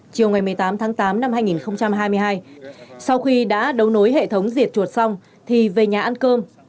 chiều ngày một mươi tám tháng tám năm hai nghìn hai mươi hai sau khi đã đấu nối hệ thống diệt chuột xong thì về nhà ăn cơm